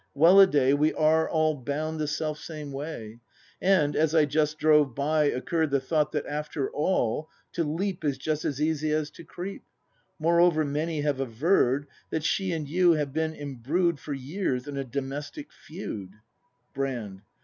Welladay, We are all bound the selfsame way — And, as I just drove by, occurr'd The thought that, after all, "to leap Is just as easy as to creep": Moreover, many have averr'd. That she and you have been imbrued For years in a domestic feud Brand.